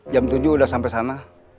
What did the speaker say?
jam tujuh sudah sampai sana